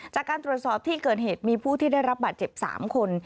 จากการตรวจสอบที่เกิดเหตุมีผู้ที่ได้รับบาดเจ็บ๓คน